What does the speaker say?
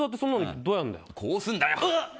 こうするんだよ！